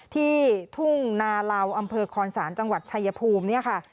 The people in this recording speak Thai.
ทุ่งนาลาวอำเภอคอนศาลจังหวัดชายภูมิเนี่ยค่ะ